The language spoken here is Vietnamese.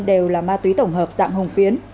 đều là ma túy tổng hợp dạng hồng phiến